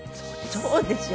そうですよ。